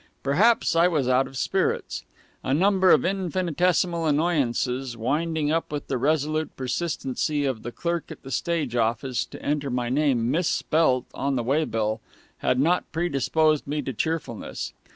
Perhaps I was out of spirits. A number of infinitesimal annoyances, winding up with the resolute persistency of the clerk at the stage office to enter my name misspelt on the waybill, had not predisposed me to cheerfulness.